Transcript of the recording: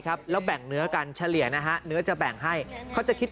แล้วแบ่งเนื้อกันเฉลี่ยนะฮะเนื้อจะแบ่งให้เขาจะคิด